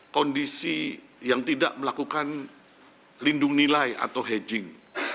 kondisi yang tidak melakukan lindung nilai atau hedging